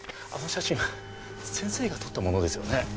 あの写真は先生が撮ったものですよね？